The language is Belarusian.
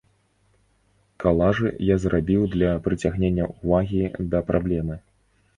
Калажы я зрабіў для прыцягнення ўвагі да праблемы.